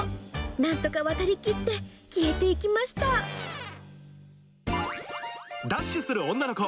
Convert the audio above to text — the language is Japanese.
なんとか渡りきって、消えていきダッシュする女の子。